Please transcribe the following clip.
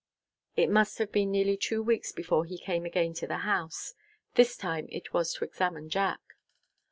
It must have been nearly two weeks before he came again to the house. This time it was to examine Jack.